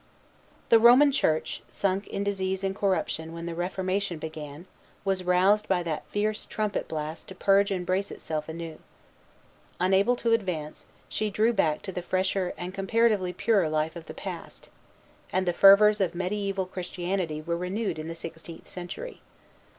The Roman Church, sunk in disease and corruption when the Reformation began, was roused by that fierce trumpet blast to purge and brace herself anew. Unable to advance, she drew back to the fresher and comparatively purer life of the past; and the fervors of mediæval Christianity were renewed in the sixteenth century.